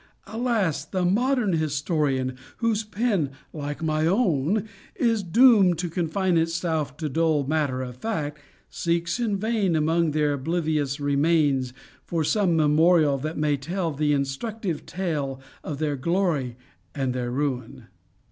alas! the modern historian, whose pen, like my own, is doomed to confine itself to dull matter of fact, seeks in vain among their oblivious remains for some memorial that may tell the instructive tale of their glory and their ruin.